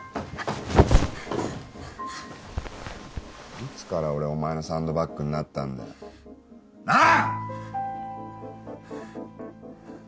いつから俺はお前のサンドバッグになったんだよなあ！